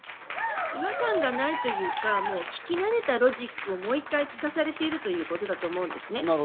違和感がないというか、聞き慣れたロジックをもう１回聞かされているということだと思います。